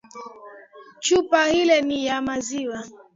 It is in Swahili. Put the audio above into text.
Chupa ile ni ya maziwa.